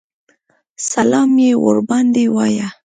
سلام یې ورباندې وایه.